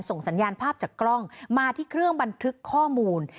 สัญญาณภาพจากกล้องมาที่เครื่องบันทึกข้อมูล